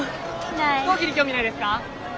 飛行機に興味ないですか？